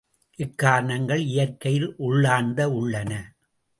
இக்காரணங்கள் இயற்கையில் உள்ளார்ந்து உள்ளன.